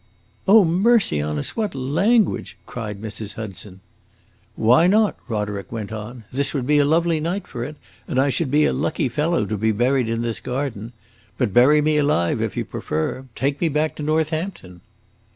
"Oh, mercy on us, what language!" cried Mrs. Hudson. "Why not?" Roderick went on. "This would be a lovely night for it, and I should be a lucky fellow to be buried in this garden. But bury me alive, if you prefer. Take me back to Northampton."